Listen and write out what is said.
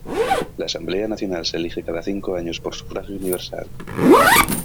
La Asamblea Nacional se elige cada cinco años por sufragio universal.